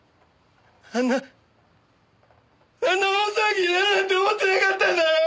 あんなあんな大騒ぎになるなんて思ってなかったんだよ！